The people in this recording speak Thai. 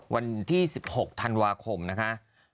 วันที่๑๖ธันวาคมนะคะ